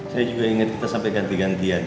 saya juga inget kita sampe ganti gantian